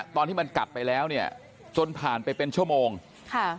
ตอนที่มันกัดไปแล้วเนี่ยจนผ่านไปเป็นชั่วโมงค่ะ